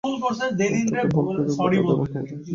তবে বল প্রয়োগে বাধা দেবার ক্ষমতা গ্যাসের আছে।